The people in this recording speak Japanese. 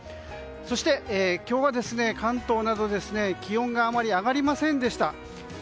そして今日は関東などは気温があまり上がりませんでした。